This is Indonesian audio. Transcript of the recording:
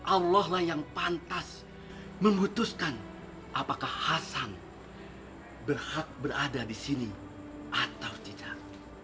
allah lah yang pantas memutuskan apakah hasan berhak berada di sini atau tidak